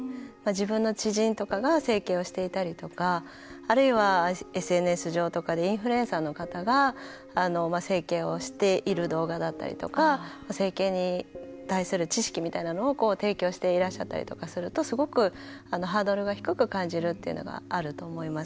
自分の知人とかが整形をしていたりとかあるいは、ＳＮＳ上とかでインフルエンサーの方が整形をしている動画だったりとか整形に対する知識みたいなのを提供していらっしゃったりとかすると、すごくハードルが低く感じるというのがあると思います。